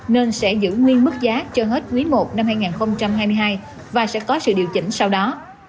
nên sẽ giữ nguyên mức giá cho hết quý i năm hai nghìn hai mươi hai và sẽ có sự điều chỉnh sau đó